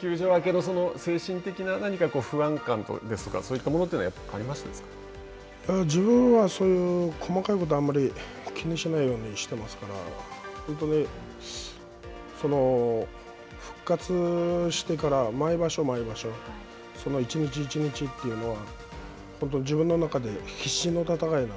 休場明けの精神的な何か不安感ですとかそういったものというのは自分はそういう細かいことはあんまり気にしないようにしてますから本当に、その復活してから毎場所、毎場所一日一日というのは自分の中で必死の戦いなので。